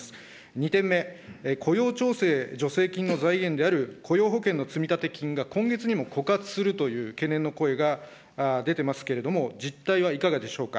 ２点目、雇用調整助成金の財源である雇用保険の積立金が今月にも枯渇するという懸念の声が出てますけれども、実態はいかがでしょうか。